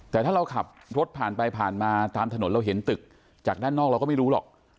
แต่ถ้าเราขับรถผ่านไปผ่านมาตามถนนเราเห็นตึกจากด้านนอกเราก็ไม่รู้หรอก